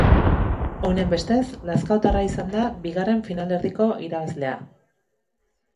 Honenbestez, lazkaotarra izan da bigarren finalerdiko irabazlea.